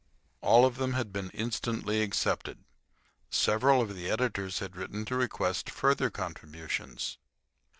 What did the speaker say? All of them had been instantly accepted. Several of the editors had written to request further contributions.